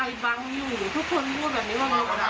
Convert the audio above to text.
อาจจะพวกมันอยู่รอดก็ถูกฟื้นเลย